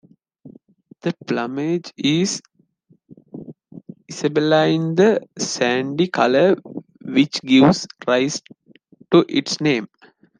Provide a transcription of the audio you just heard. The plumage is isabelline, the sandy colour which gives rise to its name.